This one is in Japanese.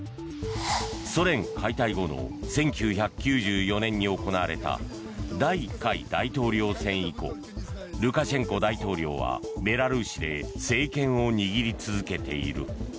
ソ連解体後の１９９４年に行われた第１回大統領選以降ルカシェンコ大統領はベラルーシで政権を握り続けている。